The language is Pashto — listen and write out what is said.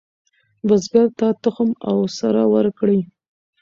بزګر ته تخم او سره ورکړئ.